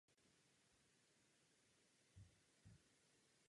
Naopak to ale neplatí.